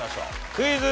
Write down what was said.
クイズ。